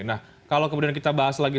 nah kalau kemudian kita bahas lagi